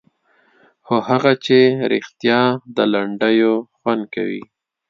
خو هغه چې رښتیا د لنډیو خوند کوي.